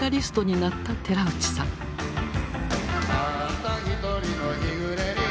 「たった一人の日暮れに」